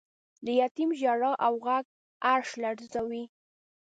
د یتیم ژړا او غږ عرش لړزوی.